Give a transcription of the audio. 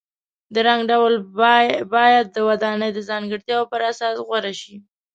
د رنګ ډول باید د ودانۍ د ځانګړتیاو پر اساس غوره شي.